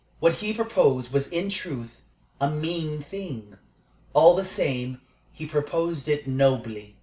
What he proposed was, in truth, a mean thing; all the same, he proposed it nobly.